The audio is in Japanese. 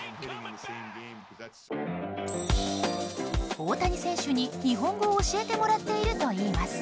大谷選手に日本語を教えてもらっているといいます。